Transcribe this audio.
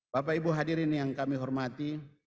bapak ibu hadirin yang kami hormati